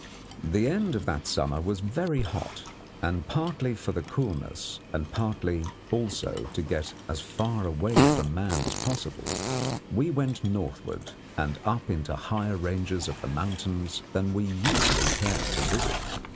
The end of that summer was very hot, and partly for the coolness, and partly, also, to get as far away from man as possible, we went northward and up into higher ranges of the mountains than we usually cared to visit.